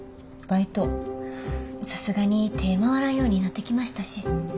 さすがに手ぇ回らんようになってきましたし。